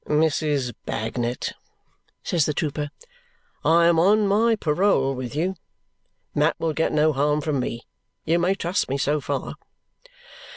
"Mrs. Bagnet," says the trooper, "I am on my parole with you. Mat will get no harm from me. You may trust me so far."